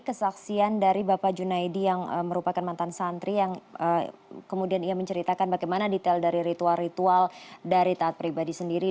kesaksian dari bapak junaidi yang merupakan mantan santri yang kemudian ia menceritakan bagaimana detail dari ritual ritual dari taat pribadi sendiri